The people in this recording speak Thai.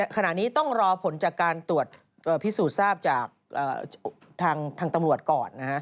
ขณะนี้ต้องรอผลจากการตรวจพิสูจน์ทราบจากทางตำรวจก่อน